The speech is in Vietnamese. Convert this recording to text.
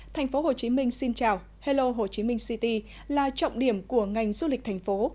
thành phố hồ chí minh xin chào hello hồ chí minh city là trọng điểm của ngành du lịch thành phố